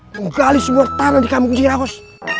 menggali semua tanah di kamung giraos